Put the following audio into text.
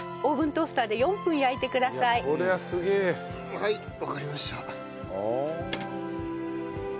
はいわかりました。